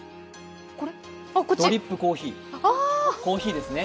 ドリップコーヒー、コーヒーですね